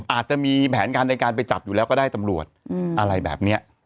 อาจจะมีแผนการในการไปจับอยู่แล้วก็ได้ตำรวจอะไรแบบนี้